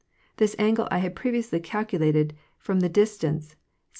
This angle I had previously 'calcu lated, from the distance, 7,696.